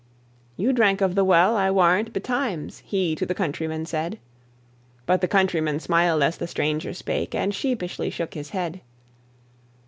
"You drank of the well, I warrant, betimes?" He to the countryman said; But the countryman smiled as the stranger spake, And sheepishly shook his head.